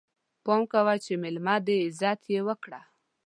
پام کوه چې ميلمه دی، عزت يې وکړه!